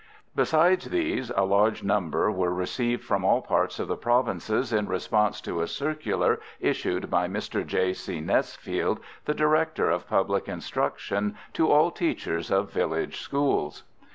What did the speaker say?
Besides these, a large number were received from all parts of the Provinces in response to a circular issued by Mr. J. C. Nesfield, the Director of Public Instruction, to all teachers of village schools.